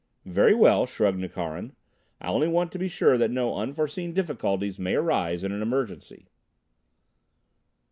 "Very well," shrugged Nukharin. "I only want to be sure that no unforeseen difficulties may arise in an emergency."